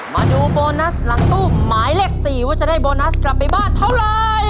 มาดูโบนัสหลังตู้หมายเลข๔ว่าไปติดโบนัสเท่าไหร่